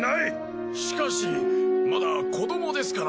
しかしまだ子供ですからなあ。